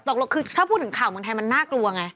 แต่ตกลงคือถ้าพูดถึงข่าวบางทีมันน่ากลัวไง